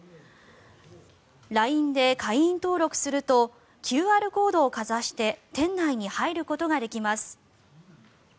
ＬＩＮＥで会員登録するとＱＲコードをかざして店内に入ることができます。